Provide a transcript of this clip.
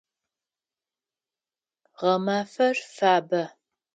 Гъэмафэр фабэ.